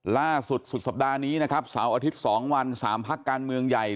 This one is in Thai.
ล่าสุดสุดสัปดาห์นี้นะครับสาวอาทิตย์สองวันสามภาคการเมืองใหญ่